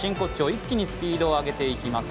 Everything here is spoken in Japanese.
一気にスピードを上げていきます。